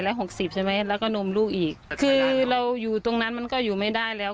หกสิบใช่ไหมแล้วก็นมลูกอีกคือเราอยู่ตรงนั้นมันก็อยู่ไม่ได้แล้ว